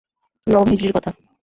নবম হিজরীর কথা।